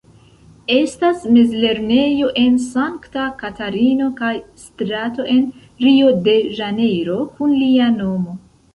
Estas mezlernejo en Sankta Katarino kaj strato en Rio-de-Ĵanejro kun lia nomo.